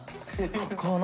ここの。